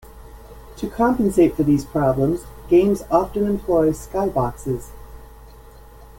To compensate for these problems, games often employ skyboxes.